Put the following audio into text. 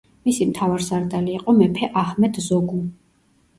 მისი მთავარსარდალი იყო მეფე აჰმედ ზოგუ.